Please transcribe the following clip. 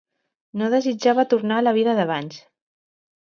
No desitjava tornar a la vida d'abans.